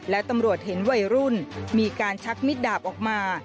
และตำรวจเห็นวัยรุ่นมีการชักมิดดาบออกมา